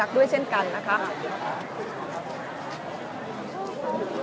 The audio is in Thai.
และที่อยู่ด้านหลังคุณยิ่งรักนะคะก็คือนางสาวคัตยาสวัสดีผลนะคะ